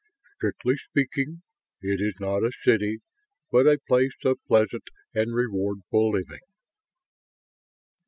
Strictly speaking, it is not a city, but a place of pleasant and rewardful living."